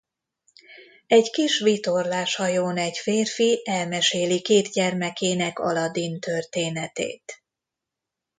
Egy kis vitorláshajón egy férfi elmeséli két gyermekének Aladdin történetét.